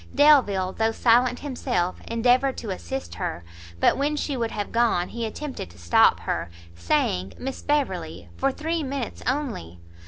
Delvile, though silent himself, endeavoured to assist her; but when she would have gone, he attempted to stop her, saying "Miss Beverley, for three minutes only."